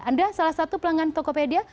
anda salah satu pelanggan tokopedia